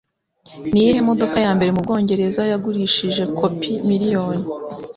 Niyihe modoka Yambere Mubwongereza Yagurishije Kopi Miriyoni?